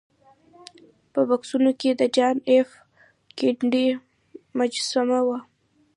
په بکسونو کې د جان ایف کینیډي مجسمه وه